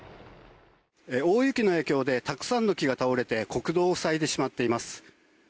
大雪の影響でたくさんの木が倒れて国道を塞いでしまっています。